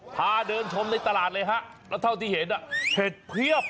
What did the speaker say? พาเดินชมในตลาดเลยฮะแล้วเท่าที่เห็นเห็ดเพียบ